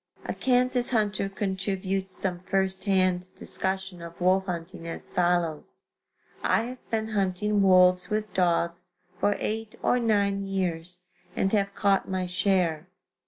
] A Kansas hunter contributes some first hand discussion of wolf hunting as follows: I have been hunting wolves with dogs for eight or nine years and have caught my share.